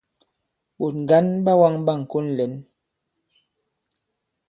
Ɓòt ŋgǎn ɓa wāŋ ɓâŋkon lɛ̂n.